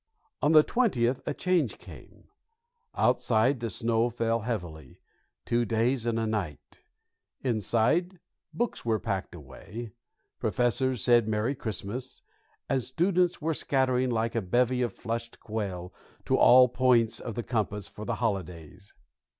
On the twentieth a change came. Outside the snow fell heavily, two days and a night; inside, books were packed away, professors said Merry Christmas, and students were scattering, like a bevy of flushed quail, to all points of the compass for the holidays.